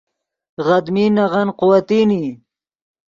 غدمین نغن قوتین ای